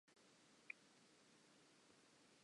His goddess had played him false.